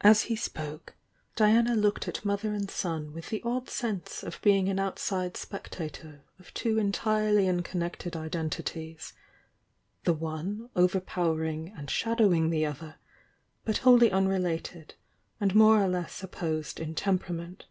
As he spoke, Diana looked at mother and son with the odd sense of being an outside spectator of two entirely unconnected identities, — the one overpow ering and shadowing the other, but wholly unrelated and more or less opposed in temperament.